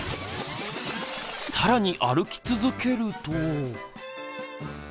更に歩き続けると。